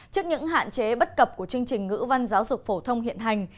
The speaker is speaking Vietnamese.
trước những hạn chế bất cập của chương trình ngữ văn giáo dục phổ thông hiện hành